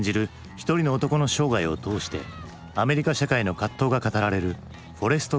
一人の男の生涯を通してアメリカ社会の葛藤が語られる「フォレスト・ガンプ」。